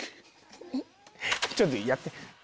ちょっとやって！